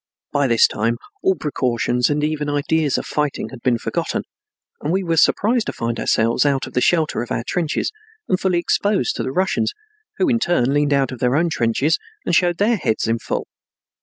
By this time all precautions and even ideas of fighting had been forgotten, and we were surprised to find ourselves out of the shelter of our trenches and fully exposed to the Russians, who, in turn, leaned out of their own trenches and showed their heads in full.